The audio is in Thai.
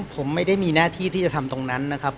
ผมไม่ได้มีหน้าที่ที่จะทำตรงนั้นนะครับ